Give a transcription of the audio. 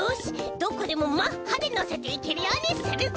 どこでもマッハでのせていけるようにするぞ！